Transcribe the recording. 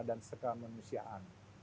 dan sekal manusiaan